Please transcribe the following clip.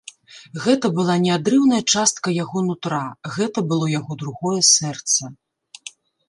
Гэта была неадрыўная частка яго нутра, гэта было яго другое сэрца.